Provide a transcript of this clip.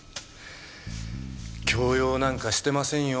強要なんかしてませんよー。